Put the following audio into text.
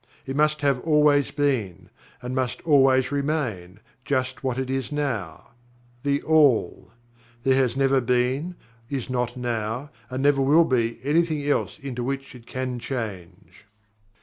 It must have always been, and must always remain, just what it is now THE ALL there has never been, is not now, and never will be, anything else into which it can change.